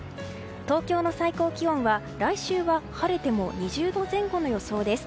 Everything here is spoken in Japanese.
東京の最高気温は、来週は晴れても２０度前後の予想です。